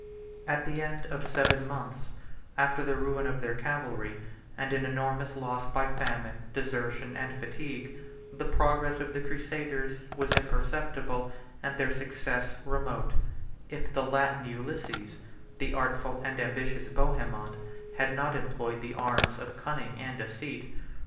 At the end of seven months, after the ruin of their cavalry, and an enormous loss by famine, desertion and fatigue, the progress of the crusaders was imperceptible, and their success remote, if the Latin Ulysses, the artful and ambitious Bohemond, had not employed the arms of cunning and deceit.